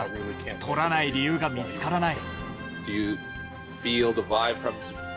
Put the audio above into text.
取らない理由が見つからない。